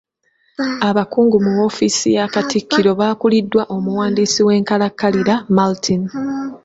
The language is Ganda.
Abakungu mu ofiisi ya katikkiro baakuliddwa omuwandiisi w’enkalakkalira Maltin.